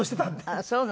あっそうなの。